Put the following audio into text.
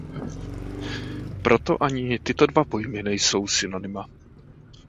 Proto ani tyto dva pojmy nejsou synonyma.